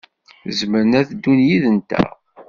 Zemren ad ddun yid-nteɣ.